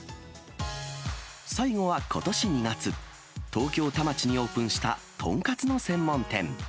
最後はことし２月、東京・田町にオープンした豚カツの専門店。